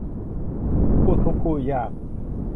คู่ทุกข์คู่ยาก